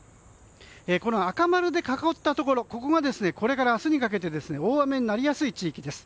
この赤丸で囲ったところがこれから明日にかけて大雨になりやすい地域です。